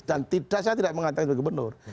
dan tidak saya tidak mengatakan sebagai gubernur